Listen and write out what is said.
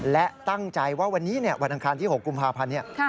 และตั้งใจว่าวันนี้วันอังคารที่๖กุมภาพันธ์